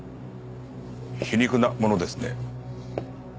皮肉なものですね。